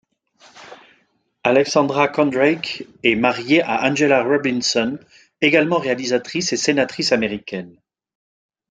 Alexandra Kondracke est mariée à Angela Robinson, également réalisatrice et sénatrice américaine.